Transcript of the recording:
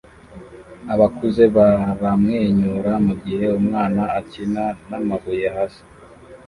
Abakuze baramwenyura mugihe umwana akina namabuye hasi